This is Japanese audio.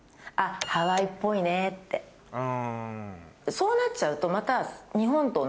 そうなっちゃうとまた。